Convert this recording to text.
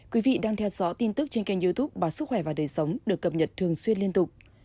quý vị đang theo dõi tin tức trên kênh youtube báo sức khỏe và đời sống được cập nhật thường xuyên liên tục